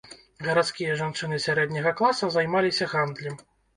Гарадскія жанчыны сярэдняга класа займаліся гандлем.